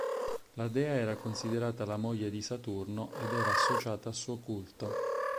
La dea era considerata la moglie di Saturno ed era associata al suo culto.